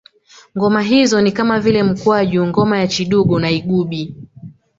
Ngoma hizo ni kama vile mkwaju ngoma ya chidugo pia igubi